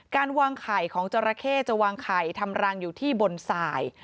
การวางไข่ของจราเข้จะวางไข่ทำรังอยู่ที่บนสาย